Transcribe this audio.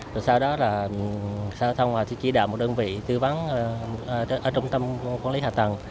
rồi sau đó là xã hội thông họ sẽ chỉ đạo một đơn vị tư vấn ở trung tâm quản lý hạ tầng